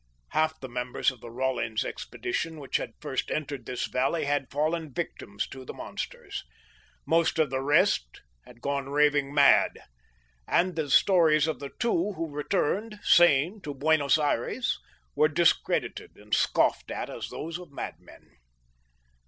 Half the members of the Rawlins Expedition, which had first entered this valley, had fallen victims to the monsters. Most of the rest had gone raving mad. And the stories of the two who returned, sane, to Buenos Aires, were discredited and scoffed at as those of madmen.